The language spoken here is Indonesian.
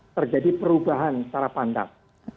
terjadi perubahan secara pandang